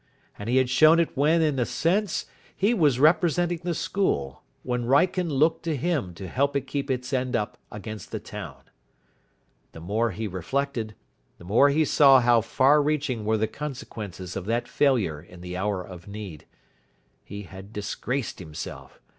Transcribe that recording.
And he had shown it when, in a sense, he was representing the school, when Wrykyn looked to him to help it keep its end up against the town. The more he reflected, the more he saw how far reaching were the consequences of that failure in the hour of need. He had disgraced himself.